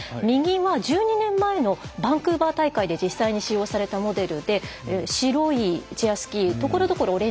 右は、１２年前のバンクーバー大会で実際に使用されたモデルで白いチェアスキーところどころ